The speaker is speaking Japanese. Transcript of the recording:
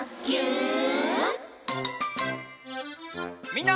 みんな。